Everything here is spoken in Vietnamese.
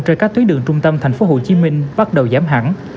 trên các tuyến đường trung tâm tp hcm bắt đầu giảm hẳn